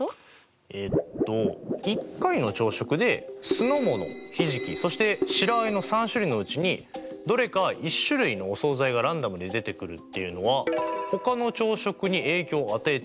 えっと１回の朝食で酢の物ひじきそして白あえの３種類のうちにどれか１種類のお総菜がランダムで出てくるっていうのはほかの朝食に影響を与えていない。